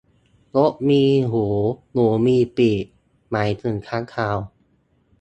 นกมีหูหนูมีปีก หมายถึงค้างคาว